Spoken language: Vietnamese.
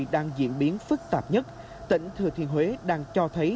đang diễn biến phức tạp nhất tỉnh thừa thiên huế đang cho thấy